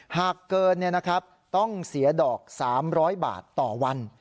หากเกินต้องเสียดอก๓๐๐บาทต่อวัน